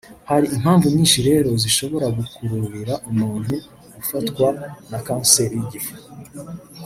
Hari impamvu nyinshi rero zishobora gukururira umuntu gufatwa na kanseri y’igifu